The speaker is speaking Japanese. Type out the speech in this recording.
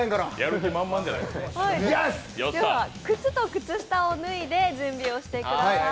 靴と靴下を脱いで準備をしてください。